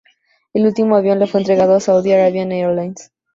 El último avión le fue entregado a Saudi Arabian Airlines.